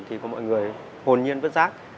thì có mọi người hồn nhiên vứt rác